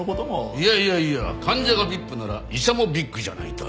いやいやいや患者がＶＩＰなら医者もＢＩＧじゃないと。